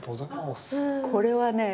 これはね